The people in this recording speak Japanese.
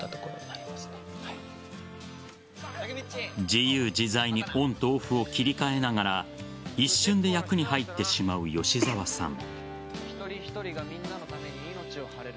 自由自在にオンとオフを切り替えながら一瞬で役に入ってしまう吉沢さん。